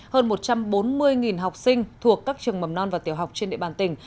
hơn một trăm bốn mươi học sinh thuộc các trường mầm non và tiểu học trên địa bàn tỉnh